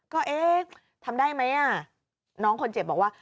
ก็เอ๊ะทำได้ไหมน้องคนเจ็บบอกว่า